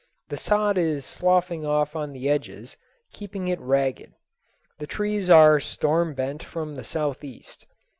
The sod is sloughing off on the edges, keeping it ragged. The trees are storm bent from the southeast.